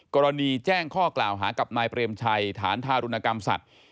กรณีแจ้งข้อกล่าวหากับนายเปรมชัยฐานทารุณกรรมสัตว์